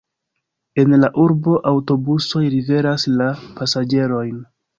En la urbo aŭtobusoj liveras la pasaĝerojn.